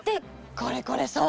これこれそう。